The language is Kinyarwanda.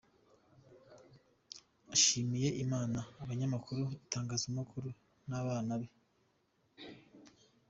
Ashimiye Imana, abanyamakuru, itangazamakuru n’abaana be.